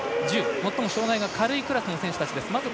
最も障がいの軽いクラスの選手たちです。